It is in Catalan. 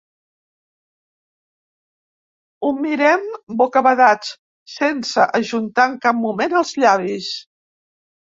Ho mirem bocabadats, sense ajuntar en cap moment els llavis.